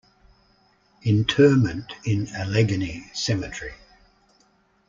Interment in Allegheny Cemetery.